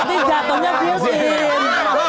nanti jatuhnya diusin